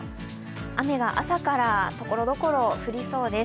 雨は朝からところどころ降りそうです。